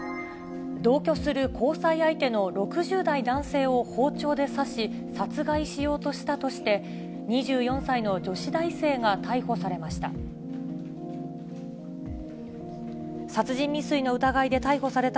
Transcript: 同居する交際相手の６０代男性を包丁で刺し、殺害しようとしたとして、２４歳の女子大生が逮捕されました。